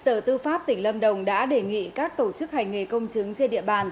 sở tư pháp tỉnh lâm đồng đã đề nghị các tổ chức hành nghề công chứng trên địa bàn